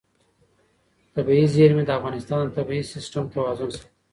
طبیعي زیرمې د افغانستان د طبعي سیسټم توازن ساتي.